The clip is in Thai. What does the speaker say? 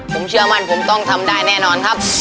ผมเชื่อมั่นผมต้องทำได้แน่นอนครับ